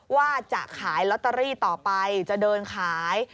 ว่าจะขายลอตเตอรี่ต่อไปจะเดินขาย